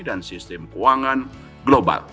dan sistem keuangan global